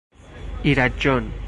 ایرج جان...